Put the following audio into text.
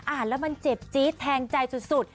อ่านแล้วมันเจ็บจี๊ดแทงใจสุด